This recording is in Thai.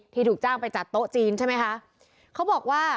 ถูกจ้างไปจัดโต๊ะจีนใช่ไหมคะเขาบอกว่า